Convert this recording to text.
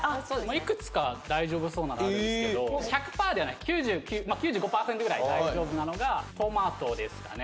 いくつか大丈夫そうなのあるんですけど１００％ではない９５％ぐらい大丈夫なのがとまとですかね